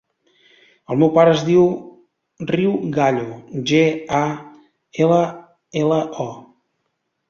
El meu pare es diu Riu Gallo: ge, a, ela, ela, o.